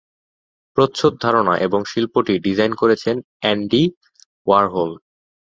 প্রচ্ছদ ধারণা এবং শিল্পটি ডিজাইন করেছেন অ্যান্ডি ওয়ারহোল।